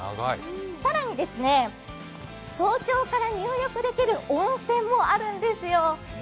更にですね、早朝から入浴できる温泉もあるんですよ。